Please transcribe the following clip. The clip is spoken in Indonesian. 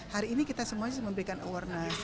hari ini kita semua harus memberikan awareness